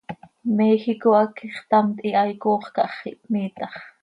Méjico hac ixtamt hihaai coox cah x ihpmiitax.